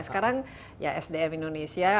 sekarang ya sdm indonesia